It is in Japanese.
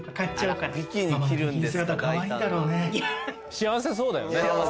幸せそうだよね。